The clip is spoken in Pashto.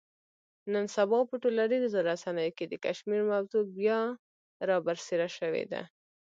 نن سبا په ټولنیزو رسنیو کې د کشمیر موضوع بیا را برسېره شوې ده.